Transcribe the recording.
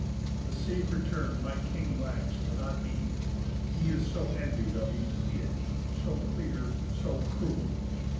The safe return my king lacks cannot be, He is so envied of each Deity, So clear, so cruelly.